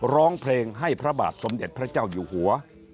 ร้องเพลงให้พระบาทสมเด็จพระเจ้าอยู่หัว